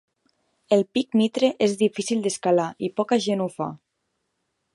El pic Mitre és difícil d'escalar i poca gent ho fa.